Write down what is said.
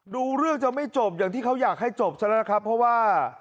ดูเรื่องจะไม่จบอย่างที่เขาอยากให้จบซะแล้วนะครับเพราะว่า